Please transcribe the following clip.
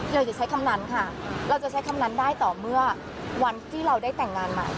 อย่าใช้คำนั้นค่ะเราจะใช้คำนั้นได้ต่อเมื่อวันที่เราได้แต่งงานใหม่